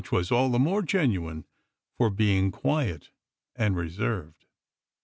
xvi was all the more genuine for being quiet and reserved.